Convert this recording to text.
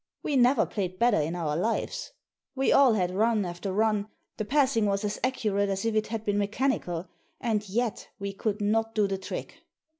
We never played better in our lives. We all had run after run, the passing was as accurate as if it had been mechanical, and yet we could not do the trick.